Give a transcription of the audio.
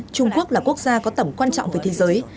trung quốc là quốc gia có tầm quan trọng về thế giới